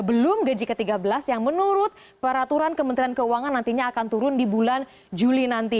belum gaji ke tiga belas yang menurut peraturan kementerian keuangan nantinya akan turun di bulan juli nanti